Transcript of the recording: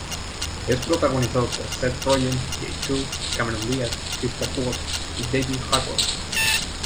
Es protagonizada por Seth Rogen, Jay Chou, Cameron Diaz, Christoph Waltz y David Harbour.